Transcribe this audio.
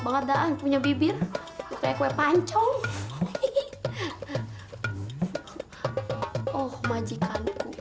banget dah punya bibir kayak kue pancong oh majikan oh oh